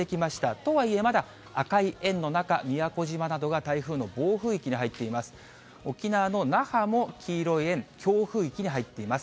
とはいえまだ赤い円の中、宮古島などが台風の暴風域に入っています。